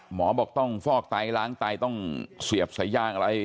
หมอบอกต้องฟอกไตล้างไตต้องเสียบสายยางอะไร